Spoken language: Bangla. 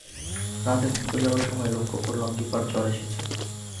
রাতে ঘুমুতে যাবার সময়ে লক্ষ করলাম, দিপার জ্বর এসেছে।